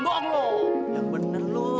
boong lu yang bener lu